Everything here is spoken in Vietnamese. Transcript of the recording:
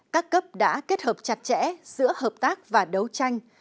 các cấp đã kết hợp chặt chẽ giữa hợp tác và đấu tranh